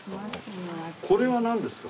これはなんですか？